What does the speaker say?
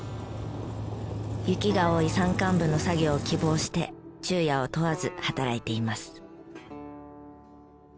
雪が多い山間部の作業を希望して昼夜を問わず働いています。